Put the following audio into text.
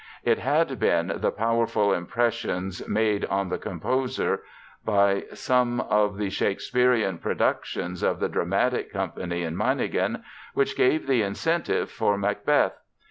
It had been the powerful impressions made on the composer by some of the Shakespearian productions of the dramatic company in Meiningen which gave the incentive for Macbeth.